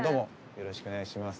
よろしくお願いします。